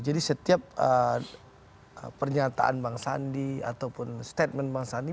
jadi setiap pernyataan bang sandi ataupun statement bang sandi